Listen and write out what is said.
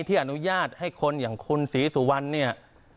ที่อนุญาตให้คนอย่างคุณศรีสุวรรณเนี่ย